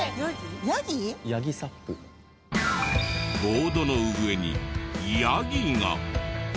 ボードの上にヤギが。